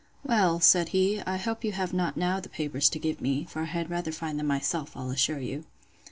Well, said he, I hope you have not now the papers to give me; for I had rather find them myself, I'll assure you.